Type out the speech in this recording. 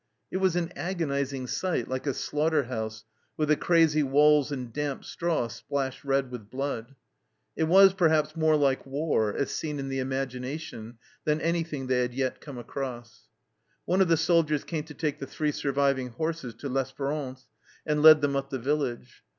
It was an agonizing sight, like a slaughter house, with the crazy walls and damp straw splashed red with blood. It was, perhaps, more like " War," as seen in the imagina tion, than anything they had yet come across. One of the soldiers came to take the three surviving horses to L'Espdrance, and led them up the village.